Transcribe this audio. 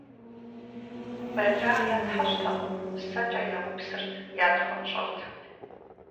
Бэлагъ ятхьэщӀтэкъым; сэкӀэ яупсырт, ятхъунщӀырт.